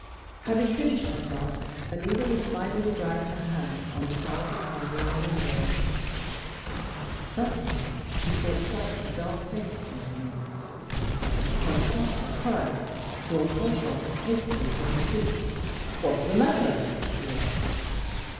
Having finished her tasks, Alida was finally drying her hands on a towel that hung near a window. Suddenly, she caught sight of a dark face peering in. Her startled cry brought Holcroft hastily to his feet. "What's the matter?" he asked.